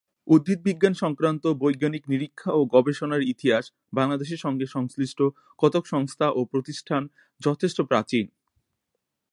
উদ্ভিদবিজ্ঞান সংক্রান্ত বৈজ্ঞানিক নিরীক্ষা ও গবেষণার ইতিহাস বাংলাদেশের সঙ্গে সংশ্লিষ্ট কতক সংস্থা ও প্রতিষ্ঠান যথেষ্ট প্রাচীন।